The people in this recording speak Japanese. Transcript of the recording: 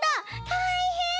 たいへん！